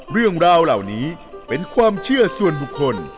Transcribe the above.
เรื่องราวเหล่านี้เป็นความเชื่อส่วนบุคคล